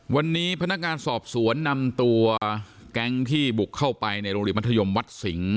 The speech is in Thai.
วันนี้พนักงานสอบสวนนำตัวแก๊งที่บุกเข้าไปในโรงเรียนมัธยมวัดสิงห์